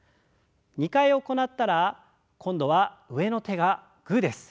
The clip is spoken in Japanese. ２回行ったら今度は上の手がグーです。